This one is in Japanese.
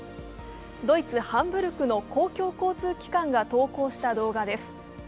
ドイツ・ハンブルクの公共交通機関が投稿した動画です。